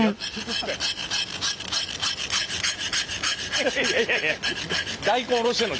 いやいやいやいや。